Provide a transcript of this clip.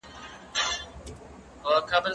هغه وويل چي شګه مهمه ده!!